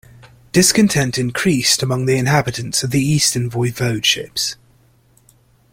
Discontent increased among the inhabitants of the eastern voivodeships.